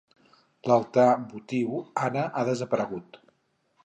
L'altar votiu ara ha desaparegut.